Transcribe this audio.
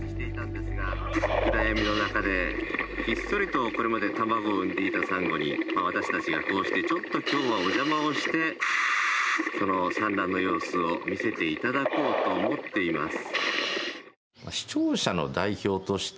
暗闇の中で、ひっそりとこれまで卵を産んでいたサンゴに私たちが、こうしてちょっと今日はお邪魔をしてその産卵の様子を見せていただこうと思っています。